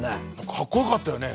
かっこよかったよね。